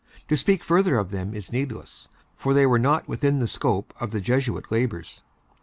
To speak further of them is needless, for they were not within the scope of the Jesuit labors.